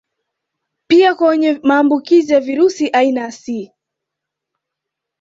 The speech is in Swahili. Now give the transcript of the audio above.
Pia kwa wenye maambukizi ya virusi aina C